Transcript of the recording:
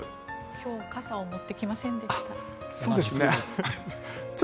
今日、傘を持ってきませんでした。